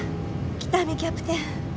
喜多見キャプテン！